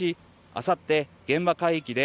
あさって現場海域で